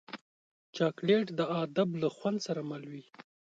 چاکلېټ د ادب له خوند سره مل وي.